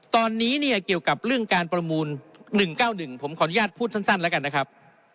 ตอนนี้เนี่ยเกี่ยวกับเรื่องการประมูล๑๙๑ผมขออนุญาตพูดสั้นแล้วกันนะครับ